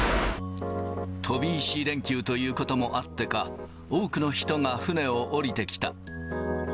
飛び石連休ということもあってか、多くの人が船を降りてきた。